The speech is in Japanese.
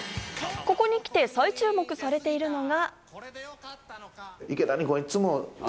ここにきて再注目されているのが。